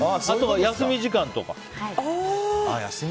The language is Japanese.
あとは休み時間とか。